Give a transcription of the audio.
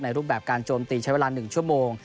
รูปแบบการโจมตีใช้เวลา๑ชั่วโมง